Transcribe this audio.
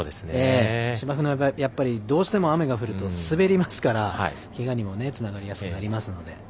芝生の場合どうしても雨が降ると滑りますからけがにもつながりやすくなりますので。